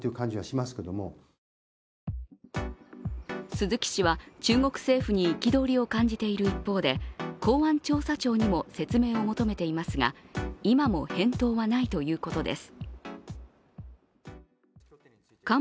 鈴木氏は中国政府に憤りを感じている一方で公安調査庁にも説明を求めていますが、今も返答はないということです。